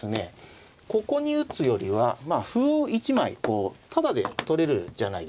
ここに打つよりは歩を１枚こうタダで取れるじゃないですか。